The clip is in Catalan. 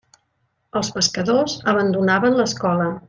Els pescadors abandonaven l'escola.